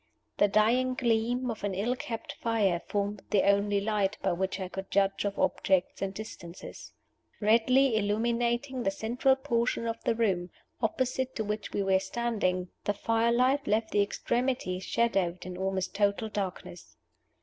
The dying gleam of an ill kept fire formed the only light by which I could judge of objects and distances. Redly illuminating the central portion of the room, opposite to which we were standing, the fire light left the extremities shadowed in almost total darkness.